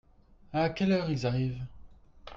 À quelle heure ils arrivent ?